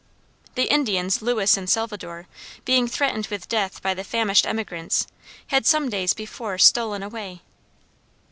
The Indians Lewis and Salvadore, being threatened with death by the famished emigrants, had some days before stolen away.